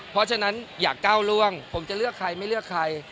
เพราะฉะนั้นอย่าก้าวล่วงผมจะเลือกใครไม่เลือกใคร